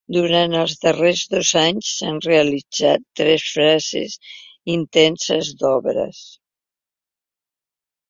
Durant els darrers dos anys, s’han realitzat tres frases intenses d’obres.